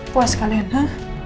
puas kalian ha